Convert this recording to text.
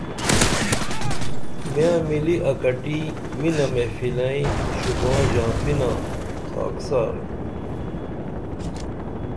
میاں مِلی اکٹی مِنہ محفلیں شوباں ژاں پِنا خاکسار